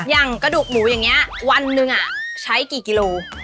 อย่างกระดูกหมูอย่างนี้วันหนึ่งใช้กี่กิโล